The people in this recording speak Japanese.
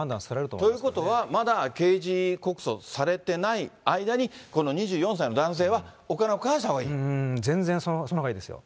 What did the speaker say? ということは、まだ刑事告訴されてない間に、この２４歳の男全然そのほうがいいですよ。